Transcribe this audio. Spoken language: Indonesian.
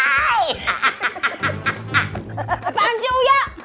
apaan sih uya